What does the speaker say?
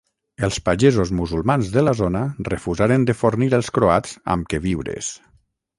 Els pagesos musulmans de la zona refusaren de fornir els croats amb queviures.